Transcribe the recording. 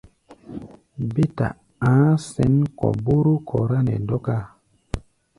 Bé ta a̧á̧ sɛ̌n kɔ̧ bóró kɔrá nɛ dɔ́káa.